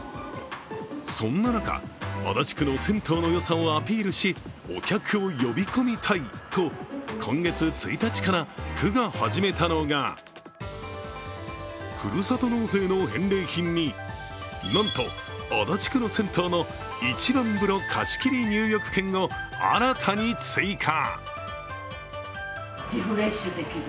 そんな中、足立区の銭湯のよさをアピールし、お客を呼び込みたいと、今月１日から区が始めたのが、ふるさと納税の返礼品に、なんと足立区の銭湯の一番風呂貸し切り入浴券を新たに追加。